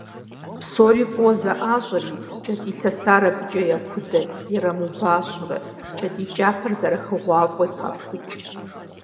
Псори фӀыуэ зэӀащӀэри, кӀэтӀий лъэсар абыкӀэ якудэ, ирамыубащэурэ, кӀэтӀий кӀапэр зэрыхыгъуафӀэу папхыкӀ.